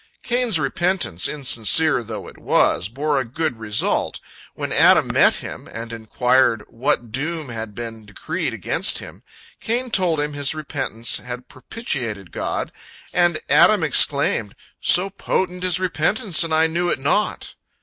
Cain's repentance, insincere though it was, bore a good result. When Adam met him, and inquired what doom had been decreed against him, Cain told how his repentance had propitiated God, and Adam exclaimed, "So potent is repentance, and I knew it not!"